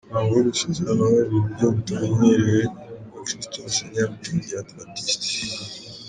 Umuhango wo gusezerana wabaye mu buryo butamenyerewe ku bakirisitu basengera mu Itorero ry’Abadiventisiti.